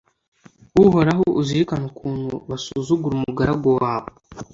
uhoraho, uzirikane ukuntu basuzugura umugaragu wawe